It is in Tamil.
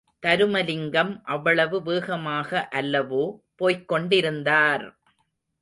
தருமலிங்கம் அவ்வளவு வேகமாக அல்லவோ போய்க்கொண்டிருந்தார்!